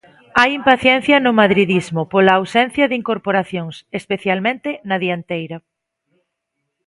Hai impaciencia no madridismo pola ausencia de incorporacións, especialmente na dianteira.